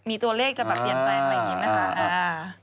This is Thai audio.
มีตัวเลขจะมับเปลี่ยนแปลงอย่างนี้นะคะ